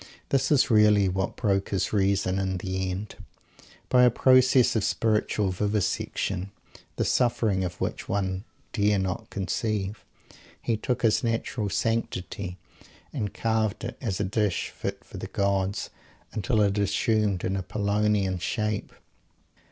This is really what broke his reason, in the end. By a process of spiritual vivisection the suffering of which one dare not conceive he took his natural "sanctity," and carved it, as a dish fit for the gods, until it assumed an Apollonian shape.